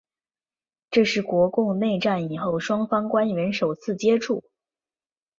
这是国共内战以后双方官员首次接触。